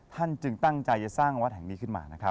จึงตั้งใจจะสร้างวัดแห่งนี้ขึ้นมานะครับ